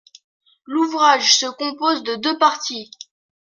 L’ouvrage se compose de deux parties.